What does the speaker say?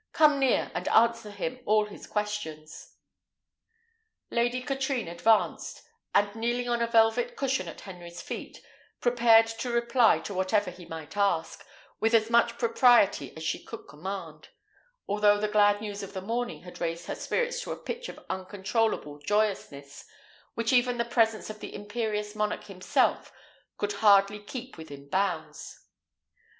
Come near, and answer him all his questions." Lady Katrine advanced, and kneeling on a velvet cushion at Henry's feet, prepared to reply to whatever he might ask, with as much propriety as she could command; although the glad news of the morning had raised her spirits to a pitch of uncontrollable joyousness, which even the presence of the imperious monarch himself could hardly keep within bounds.